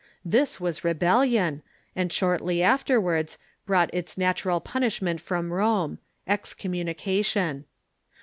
This Avas rebellion, and shortly afterwards brought its natural punishment from Rome — excommunication.